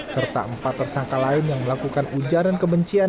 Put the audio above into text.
serta empat tersangka lain yang melakukan ujaran kebencian